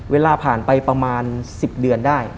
เวลาผ่านไปประมาณ๑๐เดือนได้